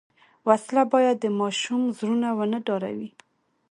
وسله باید د ماشوم زړونه ونه ډاروي